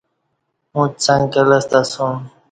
اُݩڅ څک کہ لستہ اسوم